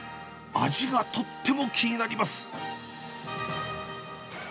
味がとっても気になります。